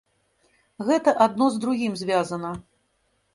Гэта адно з другім звязана.